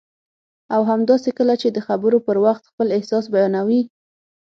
او همداسې کله چې د خبرو پر وخت خپل احساس بیانوي